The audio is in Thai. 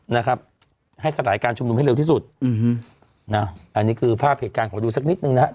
นะครับให้สลายการชุมนุมให้เร็วที่สุดอืมนะอันนี้คือภาพเหตุการณ์ขอดูสักนิดนึงนะครับ